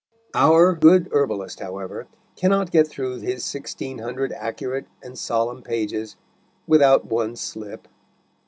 Our good herbalist, however, cannot get through his sixteen hundred accurate and solemn pages without one slip.